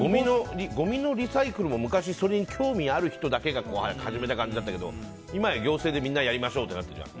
ごみのリサイクルも昔、興味ある人だけが始めた感じだったけど今や行政でみんなやりましょうってなってるじゃん。